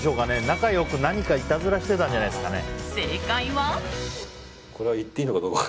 仲良く何かいたずらしてたんじゃないですかね。